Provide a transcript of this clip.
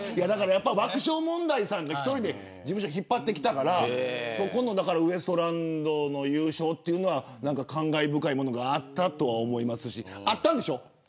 爆笑問題さんが１人で事務所を引っ張ってきたからウエストランドの優勝というのは感慨深いものがあったとは思うし会ったんでしょ。